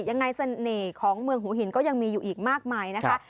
ยังไงเสน่ห์ของเมืองหัวหินก็ยังมีอยู่อีกมากมายนะคะ